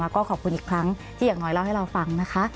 ก็ขอบคุณอีกครั้งที่อย่างน้อยเล่าให้เราฟังนะคะ